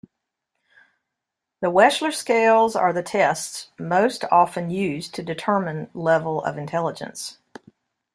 The Wechsler Scales are the tests most often used to determine level of intelligence.